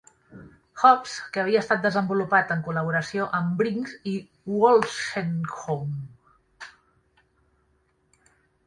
Hobbs, que havia estat desenvolupat en col·laboració amb Briggs i Wolstenholme.